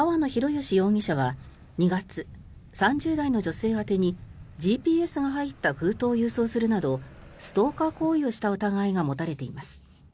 与史容疑者は２月３０代の女性宛てにＧＰＳが入った封筒を郵送するなどストーカー行為をした疑いが持たれています。